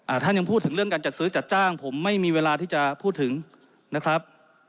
ท่านยังพูดถึงเรื่องการจัดซื้อจัดจ้างผมไม่มีเวลาที่จะพูดถึงนะครับ